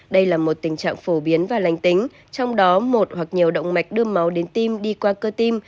đây là một tình trạng phổ biến và lành tính trong đó một hoặc nhiều động mạch đưa máu đến tim đi qua cơ tim